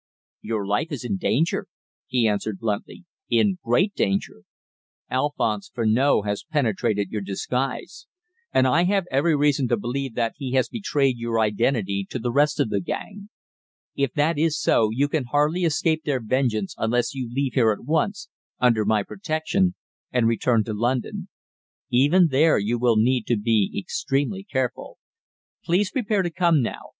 "Your life is in danger," he answered bluntly, "in great danger. Alphonse Furneaux has penetrated your disguise, and I have every reason to believe that he has betrayed your identity to the rest of the gang. If that is so, you can hardly escape their vengeance unless you leave here at once, under my protection, and return to London. Even there you will need to be extremely careful. Please prepare to come now.